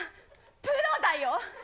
プロだよ。